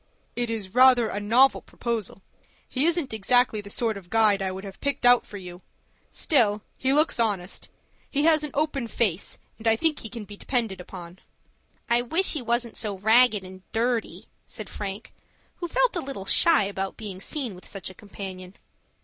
"It is rather a novel proposal. He isn't exactly the sort of guide I would have picked out for you. Still he looks honest. He has an open face, and I think can be depended upon." "I wish he wasn't so ragged and dirty," said Frank, who felt a little shy about being seen with such a companion.